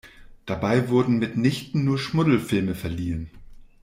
Dabei wurden mitnichten nur Schmuddelfilme verliehen.